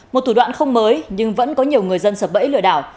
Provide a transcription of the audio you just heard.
một thủ đoạn không mới nhưng vẫn có nhiều người dân sập bẫy lừa đảo